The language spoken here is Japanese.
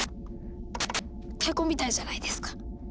太鼓みたいじゃないですか！